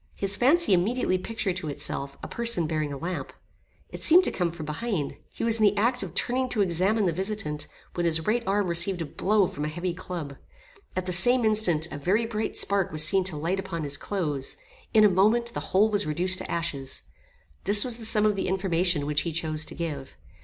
His fancy immediately pictured to itself, a person bearing a lamp. It seemed to come from behind. He was in the act of turning to examine the visitant, when his right arm received a blow from a heavy club. At the same instant, a very bright spark was seen to light upon his clothes. In a moment, the whole was reduced to ashes. This was the sum of the information which he chose to give.